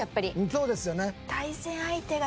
そうですよね。